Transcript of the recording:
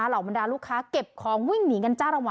เหล่าบรรดาลูกค้าเก็บของวิ่งหนีกันจ้าระวั